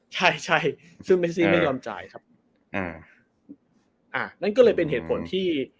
ใช่ใช่ซึ่งเมซี่ไม่ยอมจ่ายครับอืมอ่านั่นก็เลยเป็นเหตุผลที่